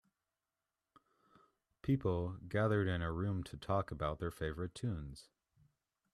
People gathered in a room to talk about their favorite tunes.